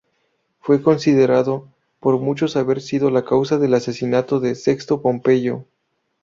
Fue considerado por muchos haber sido la causa del asesinato de Sexto Pompeyo.